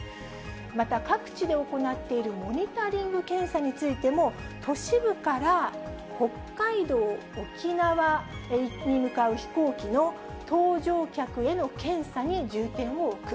また各地で行っているモニタリング検査についても、都市部から北海道、沖縄に向かう飛行機の搭乗客への検査に重点を置く。